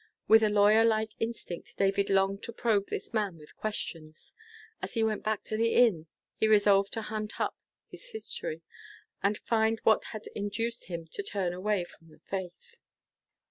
With a lawyer like instinct, David longed to probe this man with questions. As he went back to the inn, he resolved to hunt up his history, and find what had induced him to turn away from the faith.